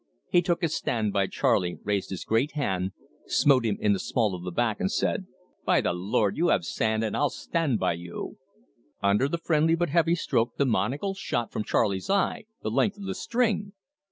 He took his stand by Charley, raised his great hand, smote him in the small of his back, and said: "By the Lord, you have sand, and I'll stand by you!" Under the friendly but heavy stroke the monocle shot from Charley's eye the length of the string.